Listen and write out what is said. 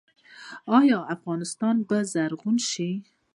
آیا افغانستان به زرغون شي؟